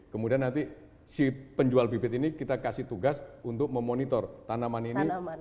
kemudian nanti si penjual bibit ini kita kasih tugas untuk memonitor tanaman ini